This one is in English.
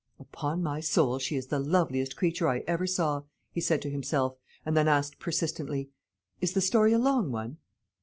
"Upon my soul, she is the loveliest creature I ever saw," he said to himself; and then asked persistently, "Is the story a long one?"